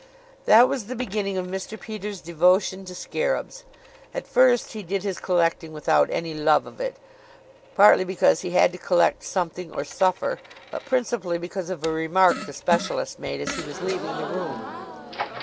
That was the beginning of Mr. Peters' devotion to scarabs. At first he did his collecting without any love of it, partly because he had to collect something or suffer, but principally because of a remark the specialist made as he was leaving the room.